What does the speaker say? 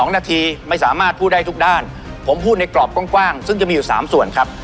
๒นาทีไม่สามารถพูดได้ทุกด้านผมพูดในกรอบกว้างซึ่งจะมีอยู่๓ส่วนครับ